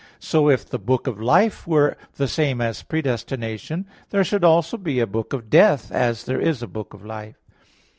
So, if the book of life were the same as predestination, there should also be a book of death, as there is a book of life.